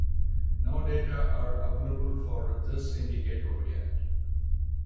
No data are available for this indicator yet.